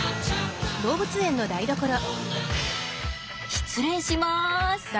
失礼します。